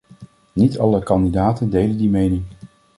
Niet alle kandidaten delen die mening.